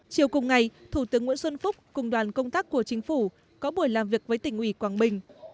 chiều cùng ngày thủ tướng nguyễn xuân phúc cùng đoàn công tác của chính phủ có buổi làm việc với tỉnh ủy quảng bình